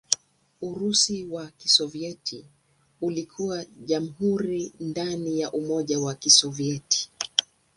Urusi wa Kisovyeti ulikuwa jamhuri ndani ya Umoja wa Kisovyeti.